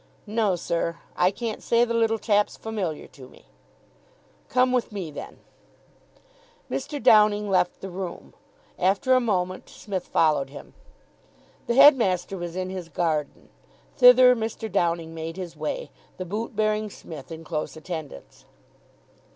"No, sir. I can't say the little chap's familiar to me." "Come with me, then." Mr. Downing left the room. After a moment Psmith followed him. The headmaster was in his garden. Thither Mr. Downing made his way, the boot bearing Psmith in close attendance.